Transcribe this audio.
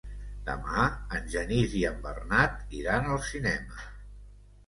Demà en Genís i en Bernat iran al cinema.